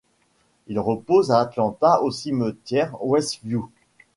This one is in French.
Il repose à Atlanta au cimetière Westview.